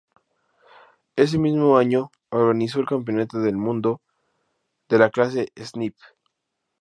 Ese mismo año organizó el Campeonato del Mundo de la clase Snipe.